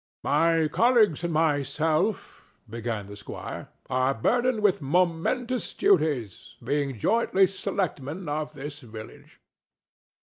"My colleagues and myself," began the squire, "are burdened with momentous duties, being jointly selectmen of this village.